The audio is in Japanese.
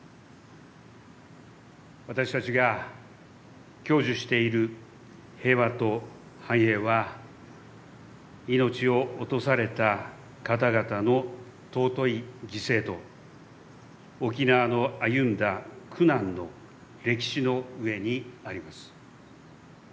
私たちが享受している平和と繁栄は命を落とされた方々の尊い犠牲と沖縄の歩んだ苦難の歴史の上にあります。